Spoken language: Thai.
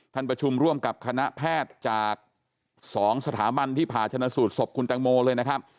เป็นคณะประชุมร่วมกับคณะแพทย์จากสองสถาบันที่ผาชะนสูตรศพคุณแตงโมเลยนะครับ